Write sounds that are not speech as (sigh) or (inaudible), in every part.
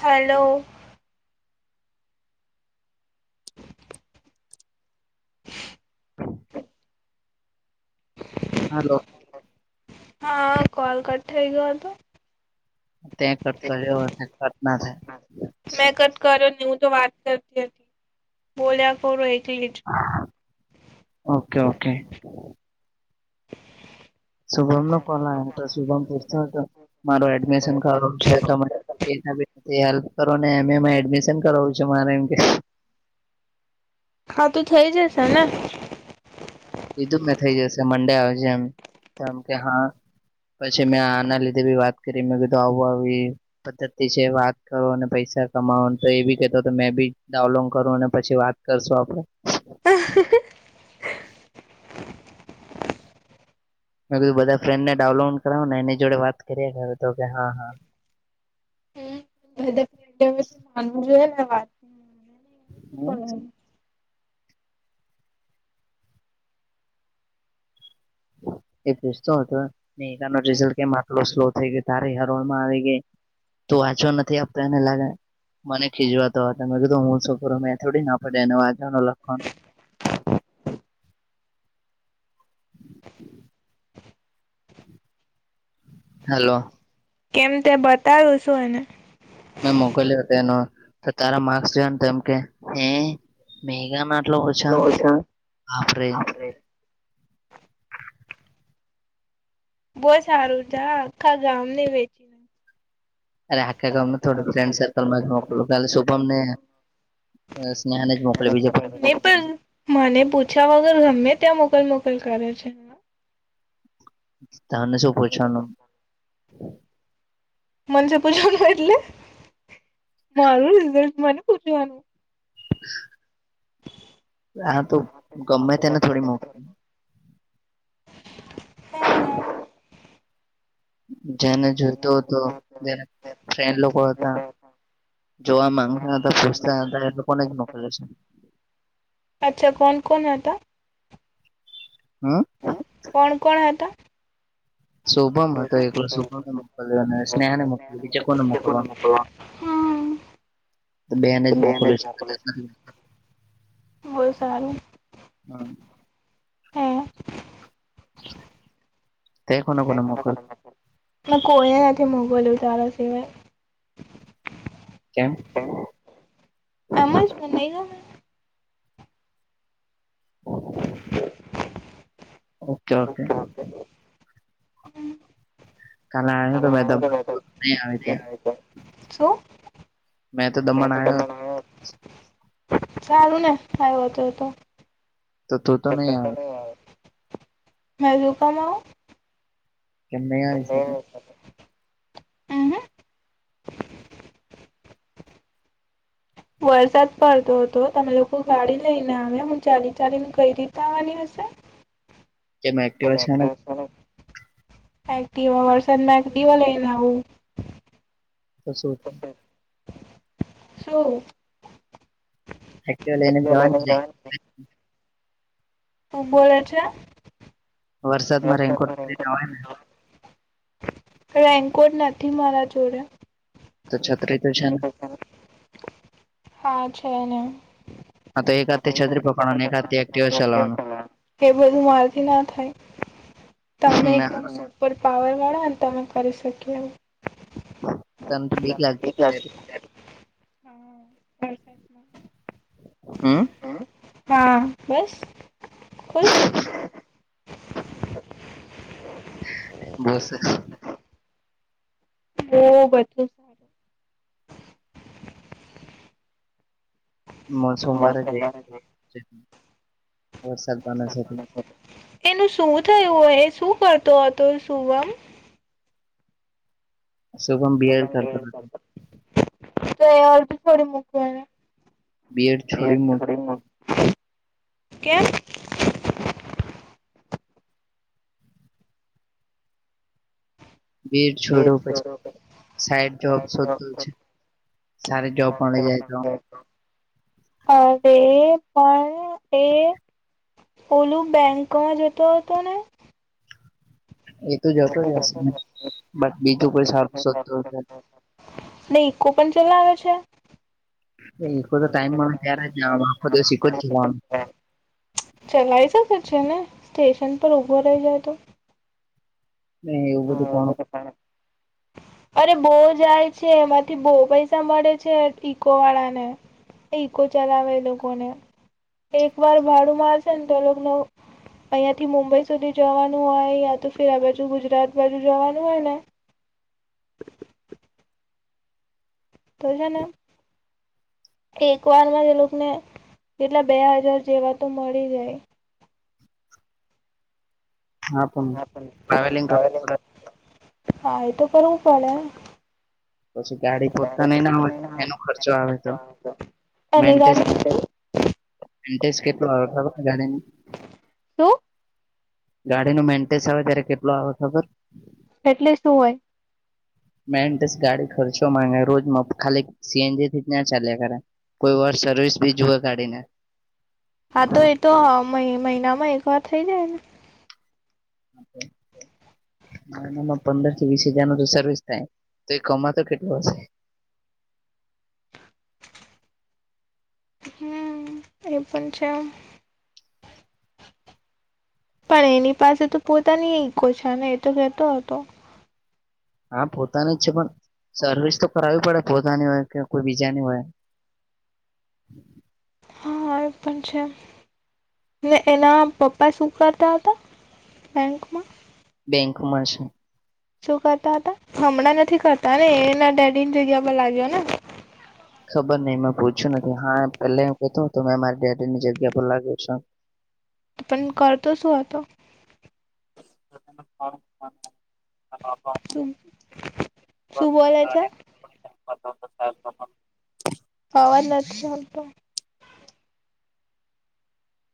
Hello hello હા call cut થઈ ગયો હતો ત્યાં કટ કર્યો કટ ના થાય મેં કટ કર્યો ની હું તો વાત કરતી હતી બોલ્યા ખોરો એકલી જ ઓકે ઓકે શુભમ નો કોલ આવે તો શુભમ પૂછતો તો માર એડમિશન કરું છે ત (unintelligible) હેલ્પ કરોને એમ એડમિશન કરાવું છે મારે એમ કે. હા તું થઈ જશે ને. એ તો મેં થઇ જશે મંડે આવજ એમ તોમ કે હા. પછી મેં આના લીધે બી વાત કરી મેં કીધું આવું આવી. પદ્ધતિતિ છે વાત કરો અને પૈસા કમાવો તો એ બી કતો મેં બી ડઉલોન કરું અને પછી વાત કરશું આપડે મેં કીધું બધા ફ્રેન્ડને ડાઉલોડ કરાવો ને એની જોડે વાત કરીએર તો કે હા હા. (unintelligible) જોઈએ ને વાત હમ સેને એ પૂછતો હતો મે ન રિઝલ્ટ કેમ આટલો સ્લો થઈ ગયો તારી હરોળમાં આવી ગઈ તું વાંચવા નથી આપને એને લાગે મને ખીચવાતો હતા મેં કીધું હું શું કરુ મેં થોડી ના (unintelligible) અલણ હલો કેમ તે બતાવું છું એને મેં મોકલ્યો હતો એનું તો તારા માર્ક્સ જોયા ત એમ કે એ મેકા લો ઓછા આપરે બહુ સારું ચા આખા ગામની વે અરે આખેમ ને થોડું ફ્રેન્ડ સર્કલમાં જ મોકલ કાલે શુભમ ને અ સ્નેહને જ મોકલે બીજે કઈ નહી પણ મને પૂછા વગર ગમે ત્યાં મોકલ મોકલ કરે છે. તને શું પૂછવાનું. મનસે પૂછવાનું એટલે મારું રિઝલ્ટ માને પૂછવાનું. (unintelligible) હા તો ગમે તેને થોડી મોક હમ્મ જેને જોતો હતો જેને ફ્રેડ લોકો હતા જોવા માંગતા હતા ફસ્તા હતા એ લોકોને જ મોકલે છે. અચ્છા કોન કોન હતા હમ્મ કોણ કોણ હતા. શુભમ હતો એકલો શુભને મોકલ્યો અને સ્નેહાને મોકલ બીજા કોને મોકલવાનુ હમ બે નેજ મોકલી છ. બહુ સારું હ. હે તે કોને કોને મોકલ મે કોઈ ને નથી મોકલ્યું તારા સિવાય કેમ એમ જ મને નહીં ગમે ઓકે ઓકે કાલે આયો તો ને તો નય આવે ત્યાં શું મે તો દમણ આયા સારું ને આયવો તો તો તો તું તો નહી આવે મે લૂ કામ આવ કેમ સર ઉહુ. વરસાદ પડતો હતો તમે લોકો ગાડી લઈને આવે હું ચાલી ચાલીને કઈ રીતે આવવાની હશે. (unintelligible) એક્ટિવા છે ને એકટીવા માં વરસાદ માં એકટીવા લ‌ઈ ને આવું. બસું થ શું એક્ચુઅલી એને જોવા શું બોલે છે વરસાદ માં રેનકોટ પેરી જવાય ને રેનકોટ નથી મારા જોડે. તો છતરી તો છે ને હા છે ને હા તો એક હાથે છત્રી પકડવાનું એક હાથે એક્ટિવા ચલાવવાનું એ બધું મારથી ના થાય તમે. ના ઉપર પાવર વાળા ને તમે કરી શકી એ તને તો બિક લાગે બ (unintelligible) હમ હા બસ ખુશ. બસ બહુ બધું સોમવારે જે વર્ષાદ બના સાથે એનું શું થયું હય શું કરતો હતો સુવમ શુંભમ બી એડ કરતો નથી. તો એ ઓલપી થોડી મૂકવાના બીએડ બે છોડી મુ થડી કેમ (unintelligible) બીડ છોડું પછી સાઈડ જોબ શોધું છે. સારી જોબ પણ લઈ જાય તો અરે પણ એ ઓલું બેંકમાં જતો હતો ને એ તો જતો જ હશે બસ બીજું કોઈ સારું શોધ નહી ઇકો પણ ચલાવે છે. એ તો ટાઈમ મળ ત્યારે જ આખો દિવીખો જવાનો (unintelligible) ચલાય શકે છે ને સ્ટેશન પર ઉભો રહી જાય તો નહી એવું બધું કોણ હા અરે બહુ જાય છે એમાંથી બહુ પૈસા મળે છે ઇકો વાળા ને ઈકો ચલાવે લોકોને એક વાર ભાડું મારશે ને તો ન અહીંયાથી મુંબઈ સુધી જવાનું હોય યા તો ફિર આ બાજુ ગુજરાત બાજુ જવાનું હોય ને (inaudible) તો હે ને એક વાર માં એ લોકો ને એટલા બે હજાર જેવા તો મળી જાય. હા પણ ટ્રાવેલિંગ કરવું હા એ તો કરવુ પડે પછી ગાડી ગોતા નઈ ના હોય એનો ખર્ચો આવે તો અનેની ગાડી ઈન્ટેશ કેટલો આવે ખબર ગાડી ને શું ગાડી નું મેન્ટેન્સ આવે ત્યારે કેટલો આવે ખબર. એટલે શું હોય. મેન્ટેસ ગાડી ખચો માંગે રોજ ખાલી સીએનજી થી જ ના ચાલ્યા કરે. કોઈ વાર સર્વિસ બી જુએ ગાડી ને હા તો એતો મહિ મહિનામાં એક વાર થઇ જાય ને. (unintelligible) હ એનામાં પંદર થી વીસ હજાર નો તો સર્વિસ થાય તો એ કમાતો કેટલો હશે. હમ્મ એ પણ છે. પણ એની પાસે તો પોતાની ઈકો છે ને એતો કેતો હતો. હા પોતાની જ છે પણ સર્વિસ તો કરાવવી પડે પોતાની હોય કે કોઈ બીજાની હોય. હા એ પણ છે ને એના પપા. શું કરતા હતા બેંકમાં. બેંક મળશે. શું કરતા હતા હમણાં નથી કરતા ને એના ડેડી ની જગ્યા પર લાગ્યો ને. ખબર નહિ મેં પૂછ્યું નથી હા પેલા એ કેતું તો મેં મારી ડેડી ની જગ્યા પર લાગ્યો છું એમ. પણ કરતો શું હતો. (inaudible) શું શું બોલે છે (inaudible) (inaudible) અવાજ નથી આવતો.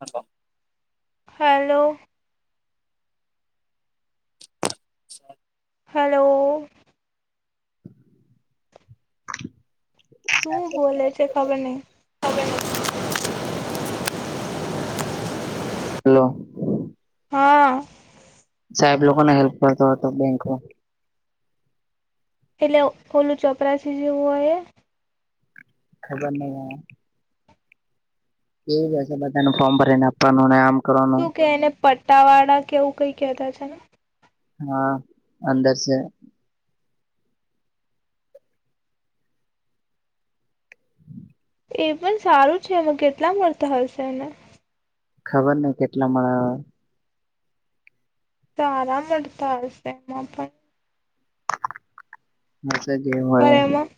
હલો. હલો. (unintelligible) હલો. તું બોલે છે ખબર નઈ. (inaudible) હલો. હા. સાહેબ લોકોને હેલ્પ કરતો હતો બેંકમાં. એટલે ખોલું ચોપરા જેવું હોય એ. ખબર નહી હા. એ હશે બધાનું ફોર્મ ભરીને આપવાનુંને આમ. કરવાનું શું કે એને પટ્ટાવાળા કેવું કઈ કેતા છે ને. હા અંદર છે. એ પણ સારું છે એમાં કેટલા મળતા હશે એને. ખબર નહી કેટલા મળા. સારા મળતા હશે એમાં પણ. હશે જે હોય પણ એ. એમાં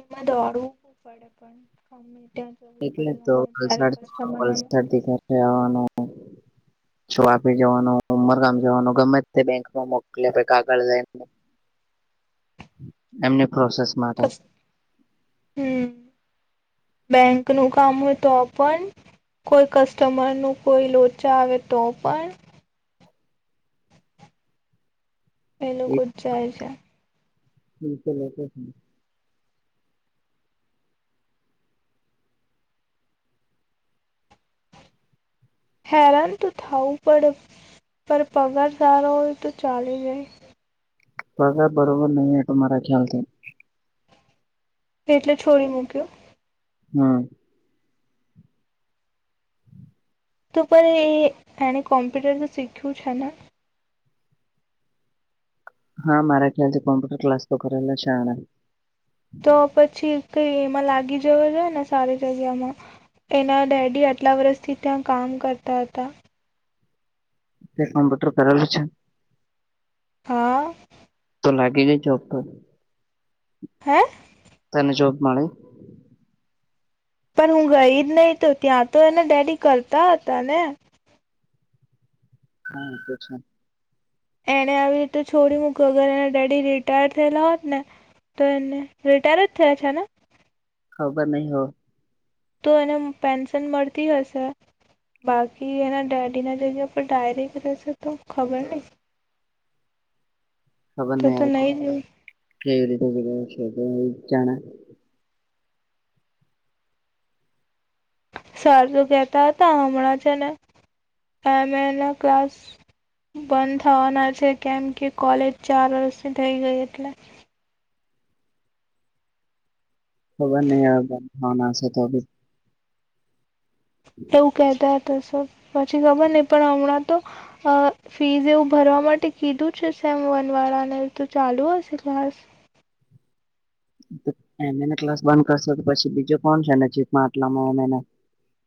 એમાં દોડવું પડે પણ. જવું એટલે પડે તો ગમે ત્યારે વલસાડ કસ્ટમર વલસાડથી સાથે આવાનું. શુ આપી જવાનું ઉમરગામ જવાનું ગમે તે બેંકમાં મોકલી આપે કાગળ લઈ. એમની પ્રોસેસ. માટે (unintelligible) (inaudible) બેંક નું કામ હોય તો પણ. કોઈ કસ્ટમર નું કોઈ લોચા આવે તો પણ. એ લોકો જ જાય છે. (unintelligible) હેરાન તો થાવું પડે, પર પગાર સારો હોય તો ચાલે જાય. પગાર બરોબર નહીં એતો મારા ખ્યાલથી. એટલે છોડી મૂક્યો. હમ. તો પણ એ એણે કોમ્પ્યુટર તો શીખ્યું છે ને. હા મારા ખ્યાલથી કોમ્પ્યુટર ક્લાસ તો કરેલા છે આણે. તો પછી કઈ એમાં લાગી જવો જોઈ ને સારી જગ્યામાં. એના ડેડી આટલા વર્ષથી ત્યાં કામ કરતા હતા. એ કમ્પ્યુટર કરેલું છે. હા. તો લાગી જ ચો તો. હે. તને જોબ મળી. પણ હું ગઈ જ નહીિ તો ત્યાં તો એના ડેડી કરતા હતા ને. હા પ છે. એને આવી રીતે છોડી મૂક અગર એના ડેડી રિટાયર થયેલા હોત ને તો, એને રિટાયર જ થયા છેને ખબર નહી હો. તો એને પેન્શન મળતી હશે. બાકી એના ડેડીના જગ્યા પર ડાયરેક્ટ રહેશે તો ખબર નહી. ખબર ન તો તો નહી જ કેવી રીતે જા. સ તો કેહેતા હતા, હમણાં છે, નેમે એના ક્લાસ. બંધ થવાના છે કેમ કે કોલેજ ચાર વર્ષની થઈ ગઈ એટલે. ખબર નહીં આવે બ ભનાશે તો એવું કહેતા હતા પછી ખબર નહ પણ હમણાં તો અ ફીઝ એવું ભરવા માટે કીધું છે સેમ વન વાળા ને તો ચાલુ હશે ક્લાસ. એ ક્લાસ બંધ કરશો તો પછી બીજો કોણ છે નેીતમાં આટલામાં એ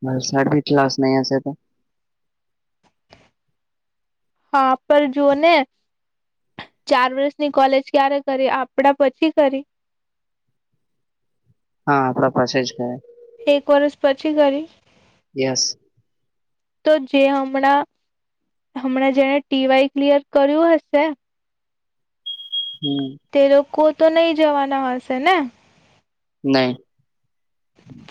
ભલસાડ બીટલાસ ન અ તો હા, પર જોુઓ ને ચાર વર્ષની, કોલેજ ક્યારે કરી આપડા પછી કરી હા, આપણા પાસે જ કાય એક વર્ષ, પછી કરી યસ. તો જે હણા હમણાં જેને ટી વાય ક્લિયર કર્યું હશે હમ. તે લોકો તો, નહી જવાના હશે ને નહી.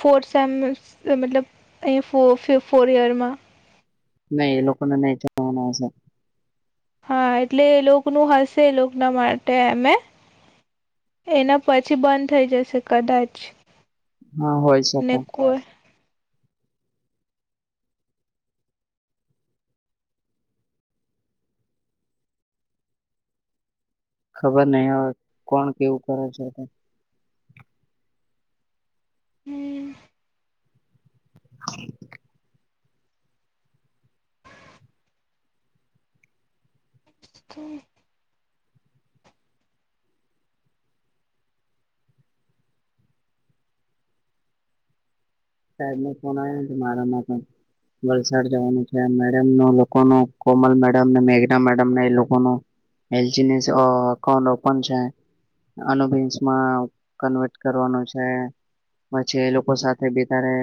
ફોર સેમ મતલબ અહીં ફોર ઈયરમાં નહી એ લોકોને નહી, જવાનાશે હા, એટલે એ લોકોનું હશે, એ લોકો ના માટે અમે એના પછી, બંધ થઈ જશે કદાચ હા, હોય ને શકે કોઈ ખબર નહ, હવે કોણ કેવું કરે છે. હમ હા હ સાહેબ ન ફોન આવ્યો છે, મારામાં પણ વલસાડ જવાનું છે, મેડમ ન લોકો ન કોમલ મેડમ ને મેઘના મેડમને એ લોકોનું એલજી અકાઉન્ટ ઓપન છે. અસમાં કન્વર્ટ કરવાનું છે, પછી એ લોકો સાથે ત્યારે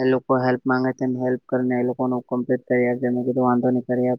એ લોકો હેલ્પ માંગે છે, હેલ્પ કરીને એ લોકોમ્પ્ટ કરી કીધું વાંધો નહી કરી